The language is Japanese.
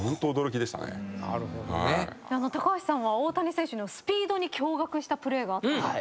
橋さんは大谷選手のスピードに驚愕したプレーがあった。